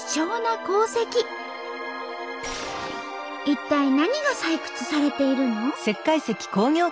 一体何が採掘されているの？